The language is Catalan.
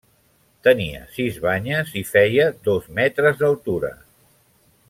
Tenia sis banyes i feia dos metres d'altura.